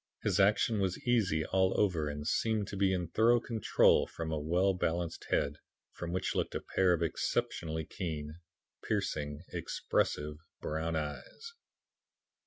His action was easy all over and seemed to be in thorough control from a well balanced head, from which looked a pair of exceptionally keen, piercing, expressive brown eyes.